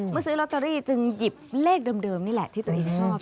ซื้อลอตเตอรี่จึงหยิบเลขเดิมนี่แหละที่ตัวเองชอบ